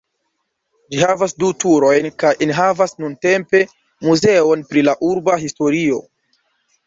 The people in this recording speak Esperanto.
Ĝi havas du turojn kaj enhavas nuntempe muzeon pri la urba historio.